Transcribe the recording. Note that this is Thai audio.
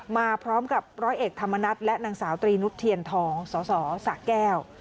มาพร้อมกับร้อยเอกธรรมนัฏและนางสาวตรีนุษย์เทียนทองสสสะแก้ว